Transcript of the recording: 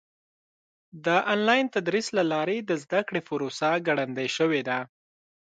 د آنلاین تدریس له لارې د زده کړې پروسه ګړندۍ شوې ده.